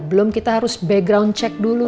belum kita harus background check dulu